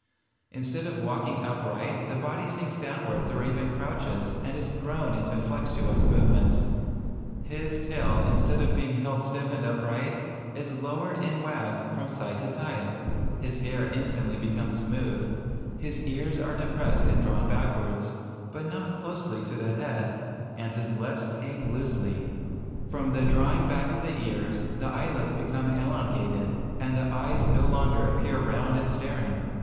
Instead of walking upright, the body sinks downwards or even crouches, and is thrown into flexuous movements; his tail, instead of being held stiff and upright, is lowered and wagged from side to side; his hair instantly becomes smooth; his ears are depressed and drawn backwards, but not closely to the head; and his lips hang loosely. From the drawing back of the ears, the eyelids become elongated, and the eyes no longer appear round and staring.